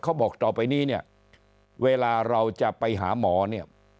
เขาบอกต่อไปนี้เนี่ยเวลาเราจะไปหาหมอเนี่ย